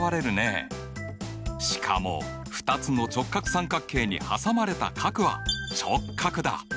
しかも２つの直角三角形に挟まれた角は直角だ。